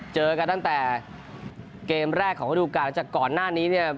เจอกันตั้งแต่เกมแรกของระดูการจากก่อนหน้านี้เนี่ย